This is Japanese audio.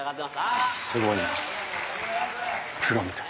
すごいなプロみたい。